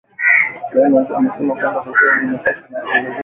Bain Omugisa amesema kwamba hatua hiyo imechochewa na ongezeko la vifo